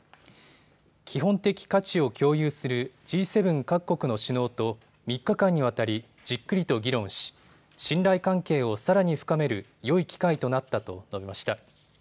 基本的価値を共有するＧ７各国の首脳と３日間にわたりじっくりと議論し信頼関係をさらに深めるよい機会となったと述べました。